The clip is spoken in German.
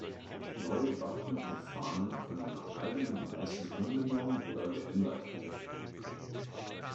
Neue Wappen und Fahnen können nach eigenem Ermessen angenommen oder geändert werden.